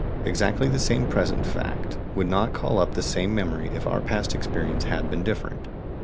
Exactly the same present fact would not call up the same memory if our past experience had been different.